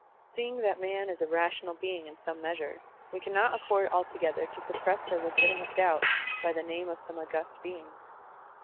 Seeing that man is a rational being in some measure, we cannot afford altogether to suppress their legitimate doubt by the name of some august being.